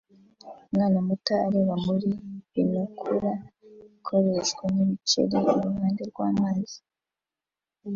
Umwana muto areba muri binokula ikoreshwa n'ibiceri iruhande rw'amazi